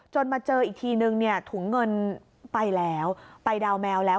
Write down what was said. มาเจออีกทีนึงเนี่ยถุงเงินไปแล้วไปดาวแมวแล้ว